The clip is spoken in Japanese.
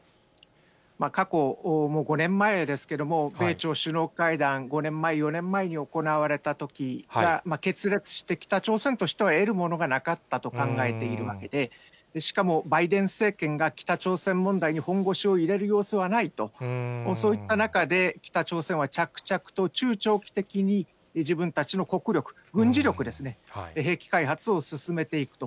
過去もう５年前ですけれども、米朝首脳会談、５年前、４年前に行われたときは、決裂して、北朝鮮としては得るものがなかったと考えているわけで、しかもバイデン政権が北朝鮮問題に本腰を入れる様子はないとそういった中で、北朝鮮は着々と中長期的に自分たちの国力、軍事力ですね、兵器開発を進めていくと。